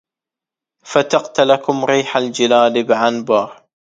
فتقت لكم ريح الجلاد بعنبر